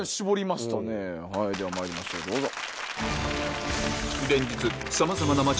まいりましょうどうぞ。